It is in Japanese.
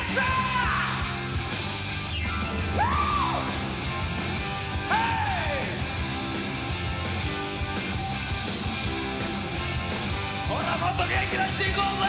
おら、もっと元気出していこうぜ。